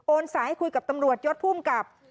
สายให้คุยกับตำรวจยศภูมิกับ